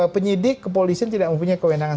penyidik kepolisian tidak mempunyai kewenangan